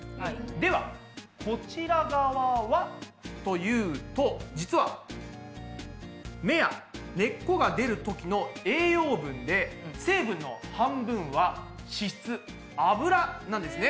ではこちら側はというと実は芽や根っこが出るときの栄養分で脂なんですね。